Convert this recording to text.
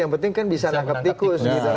yang penting kan bisa menangkap tikus